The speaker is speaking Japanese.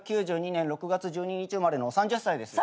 １９９２年６月１２日生まれの３０歳です。